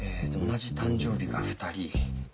同じ誕生日が２人。